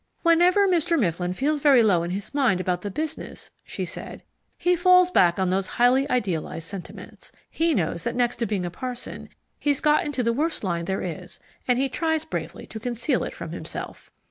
"Whenever Mr. Mifflin feels very low in his mind about the business," she said, "he falls back on those highly idealized sentiments. He knows that next to being a parson, he's got into the worst line there is, and he tries bravely to conceal it from himself."